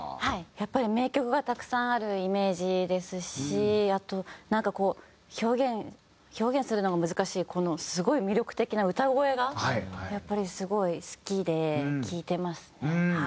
やっぱり名曲がたくさんあるイメージですしあとなんかこう表現表現するのが難しいこのすごい魅力的な歌声がやっぱりすごい好きで聴いてますねはい。